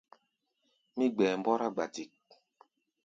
Mí gbɛɛ mbɔ́rá gbatik.